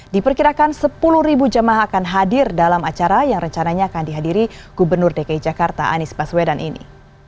diperkirakan sepuluh jemaah akan hadir dalam acara yang rencananya akan dihadiri gubernur dki jakarta anies baswedan ini